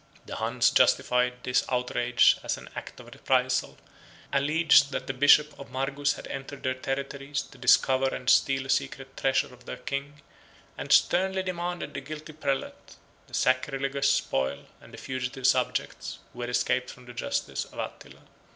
The Huns justified this outrage as an act of reprisal; alleged, that the bishop of Margus had entered their territories, to discover and steal a secret treasure of their kings; and sternly demanded the guilty prelate, the sacrilegious spoil, and the fugitive subjects, who had escaped from the justice of Attila.